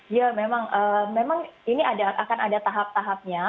ya memang ini akan ada tahap tahapnya